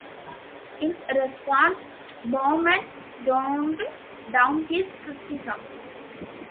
In response, Baumann toned down his criticism.